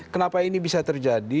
kenapa ini bisa terjadi